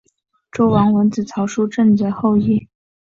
周文王子曹叔振铎后裔。